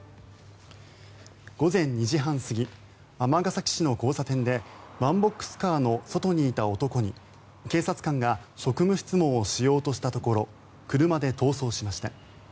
午前２時半過ぎ尼崎市の交差点でワンボックスカーの外にいた男に警察官が職務質問をしようとしたところ車で逃走しました。